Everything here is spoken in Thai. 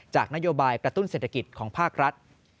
นโยบายกระตุ้นเศรษฐกิจของภาครัฐ